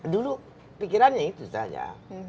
dulu pikirannya itu saja